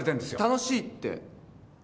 楽しいって。